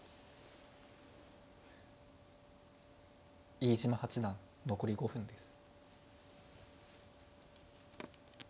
飯島八段残り５分です。